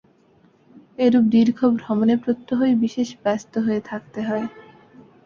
এরূপ দীর্ঘ ভ্রমণে প্রত্যহই বিশেষ ব্যস্ত হয়ে থাকতে হয়।